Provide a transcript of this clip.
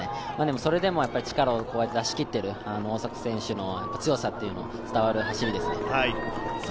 それでも力を出しきっている大迫選手の強さというのが伝わる走りですね。